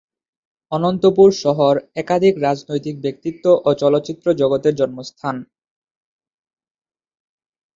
অনন্তপুর শহর একাধিক রাজনৈতিক ব্যক্তিত্ব ও চলচ্চিত্র জগতের জন্মস্থান।